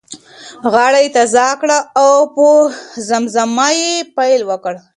غاړه یې تازه کړه او په زمزمه یې پیل وکړ.